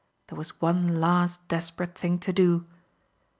There was one last desperate thing to do.